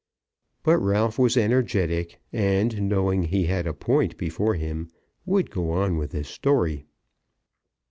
But Ralph was energetic, and, knowing that he had a point before him, would go on with his story.